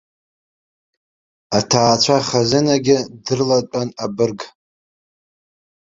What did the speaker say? Аҭаацәа хазынагьы дрылатәан абырг.